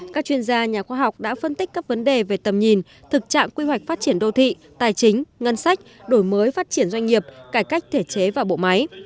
các chuyên gia nhà khoa học đã phân tích các vấn đề về tầm nhìn thực trạng quy hoạch phát triển đô thị tài chính ngân sách đổi mới phát triển doanh nghiệp cải cách thể chế và bộ máy